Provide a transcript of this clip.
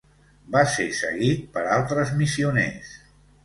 Va ser seguit per altres missioners.